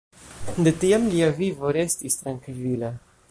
De tiam lia vivo restis trankvila.